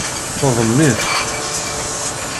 Teḍmen-it.